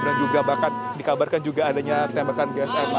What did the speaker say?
dan juga bahkan dikabarkan juga adanya tembakan gsm